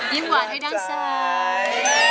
หวานให้ด้านซ้าย